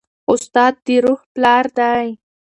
استاد د روح پلار دی.